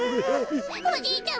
おじいちゃま。